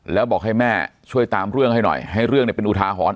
แล้วบอกให้แม่ช่วยตามเรื่องให้หน่อยให้เรื่องเป็นอุทาหรณ์